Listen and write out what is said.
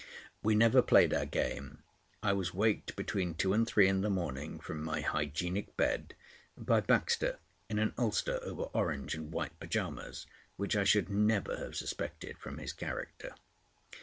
We never played our game. I was waked between two and three in the morning from my hygienic bed by Baxter in an ulster over orange and white pyjamas, which I should never have suspected from his character.